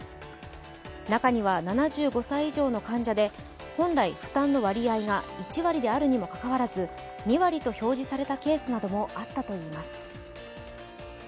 中には７５歳以上の患者で本来負担の割合が１割であるにもかかわらず２割と表示されたケースなどもあったといいます。